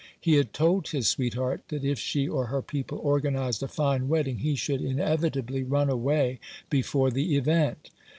He had told his sweetheart that if she or her people organized a fine wedding, he should inevitably run away before the event.